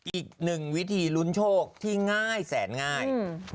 อีกหนึ่งวิธีลุ้นโชคที่ง่ายแสนง่าย